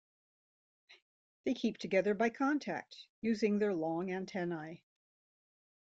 They keep together by contact, using their long antennae.